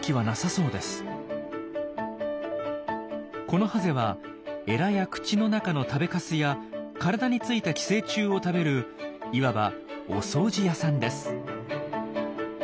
このハゼはエラや口の中の食べかすや体についた寄生虫を食べるいわば「お掃除屋さん」です。